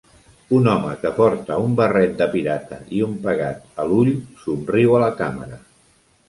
Un home que porta un barret de pirata i un pegat a l'ull somriu a la càmera.